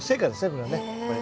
これはね。